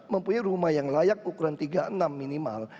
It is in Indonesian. mempunyai rumah yang layak ukuran tiga puluh enam minimal